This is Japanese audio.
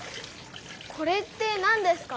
これってなんですか？